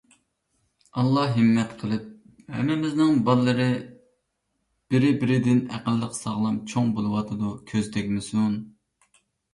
ئاللاھ ھىممەت قىلىپ، ھەممىمىزنىڭ بالىلىرى بىر-بىرىدىن ئەقىللىق، ساغلام چوڭ بولۇۋاتىدۇ. كۆز تەگمىسۇن.